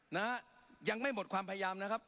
นะฮะยังไม่หมดความพยายามนะครับ